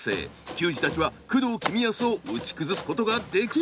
球児たちは工藤公康を打ち崩すことができるのか！？